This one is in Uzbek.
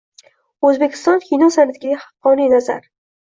O‘zbekiston kino san’atiga haqqoniy nazar